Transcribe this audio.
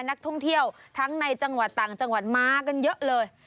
นักท่องเที่ยวทั้งในจังหวัดต่างจังหวัดมากันเยอะเลย